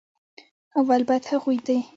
اول بايد هغوي دې